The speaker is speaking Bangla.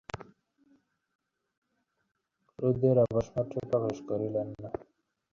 তখন সে এমন ঐশ্বর্য পাইবে জগতে যাহার তুলনা নাই।